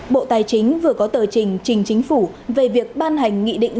bộ tài chính vừa có tờ trình trình chính phủ về việc ban hành nghị định